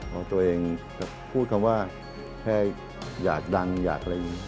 เพราะตัวเองจะพูดคำว่าแค่อยากดังอยากอะไรอย่างนี้